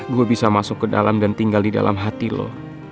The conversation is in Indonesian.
gue bisa masuk ke dalam dan tinggal di dalam hati lo